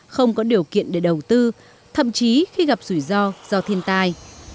không có điều kiện để đầu tư thậm chí khi gặp rủi ro do thiên tai